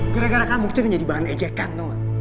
gara gara kamu itu menjadi bahan ejekan